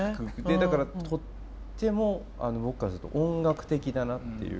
だからとっても僕からすると音楽的だなっていう。